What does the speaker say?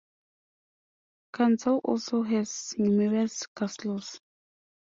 Cantal also has numerous castles.